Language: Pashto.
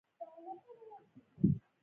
غرونه زېرمې لري.